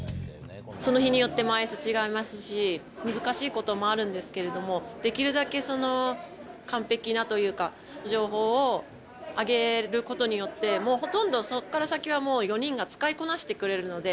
その日によってもアイス違いますし、難しいこともあるんですけれども、できるだけ完璧なというか、情報をあげることによって、もうほとんどそこから先はもう４人が使いこなしてくれるので。